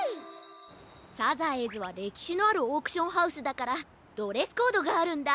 サザエーズはれきしのあるオークションハウスだからドレスコードがあるんだ。